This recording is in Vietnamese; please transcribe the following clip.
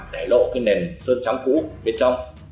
để lộ cái nền sơn trắng cũ bên trong